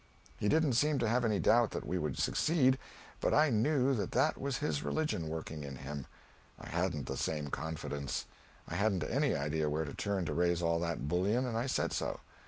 He didn't seem to have any doubt that we would succeed, but I knew that that was his religion working in him; I hadn't the same confidence; I hadn't any idea where to turn to raise all that bullion, and I said so.